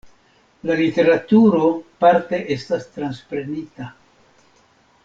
La literaturo parte estas transprenita.